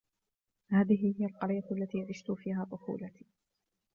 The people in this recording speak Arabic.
هذه هي القرية التي عشت فيها طفولتي.